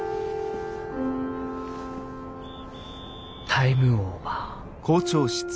タイムオーバー。